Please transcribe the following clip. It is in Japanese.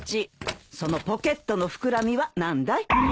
そのポケットの膨らみは何だい？